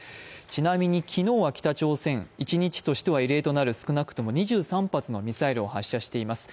ちなみに、昨日は北朝鮮、一日としては異例となる、少なくとも２３発のミサイルを発射しています。